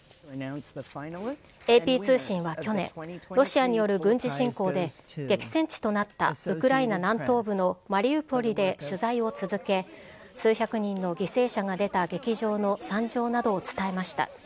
ＡＰ通信は去年、ロシアによる軍事侵攻で、激戦地となったウクライナ南東部のマリウポリで取材を続け、数百人の犠牲者が出た劇場の惨状などを伝えました。